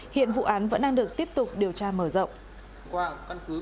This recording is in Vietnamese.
hiện vụ án vẫn đang được tiếp tục điều tra mở rộng